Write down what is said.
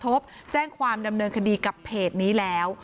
ที่ได้รับผมกระทบแจ้งความดำเนินคดีกับเพจนี้แล้ว